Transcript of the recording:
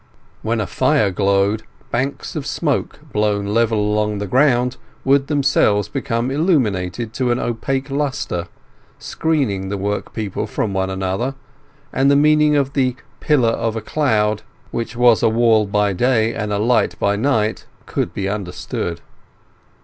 When a fire glowed, banks of smoke, blown level along the ground, would themselves become illuminated to an opaque lustre, screening the workpeople from one another; and the meaning of the "pillar of a cloud", which was a wall by day and a light by night, could be understood.